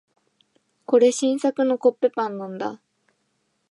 これ、新作のコッペパンなんだ。